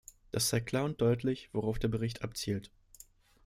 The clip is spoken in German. Das zeigt klar und deutlich, worauf der Bericht abzielt.